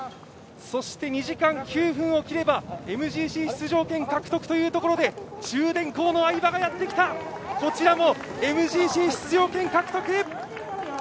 そして、２時間９分を切ればＭＧＣ出場権獲得というところで中電工の相葉がやってきた、こちらもＭＧＣ出場権獲得。